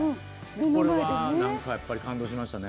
これは何かやっぱり感動しましたね。